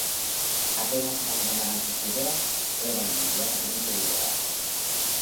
Apenas abandonaban sus ideas, eran inmediatamente liberados.